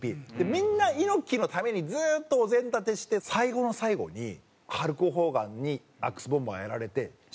みんな猪木のためにずっとお膳立てして最後の最後にハルク・ホーガンにアックスボンバーやられて失神しちゃう。